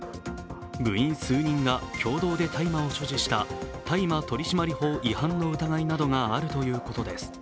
部員数人が共同で大麻を所持した大麻取締法違反の疑いなどがあるということです。